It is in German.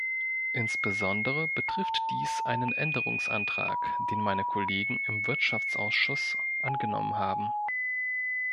Insbesondere betrifft dies einen Änderungsantrag, den meine Kollegen im Wirtschaftsausschuss angenommen haben.